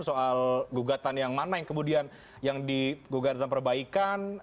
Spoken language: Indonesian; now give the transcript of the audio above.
soal gugatan yang mana yang kemudian digugatan perbaikan